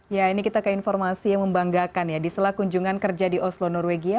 ya ini kita ke informasi yang membanggakan ya di sela kunjungan kerja di oslo norwegia